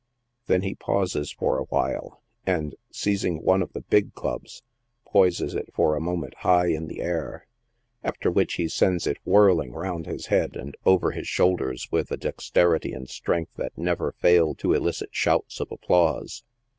Then he pauses for a while, and, seizing one of the big clubs, poises it for a moment high in the air, after which he sends it whirling round his head and over his shoulders with a dexterity and strength that never fail to elicit shouts of applause.